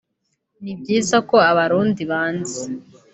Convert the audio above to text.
ni byiza ko abarundi banzi